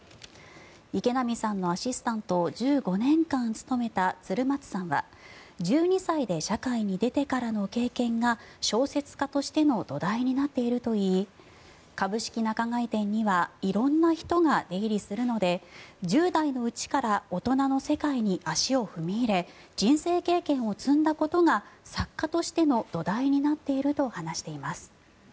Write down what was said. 池波さんのアシスタントを１５年間務めた鶴松さんは１２歳で社会に出てからの経験が小説家としての土台になっているといい株式仲買店には色んな人が出入りするので１０代のうちから大人の世界に足を踏み入れ人生経験を積んだことが作家としての土台になっていると話しています。